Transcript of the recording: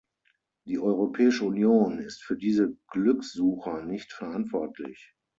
Die Europäische Union ist für diese Glückssucher nicht verantwortlich.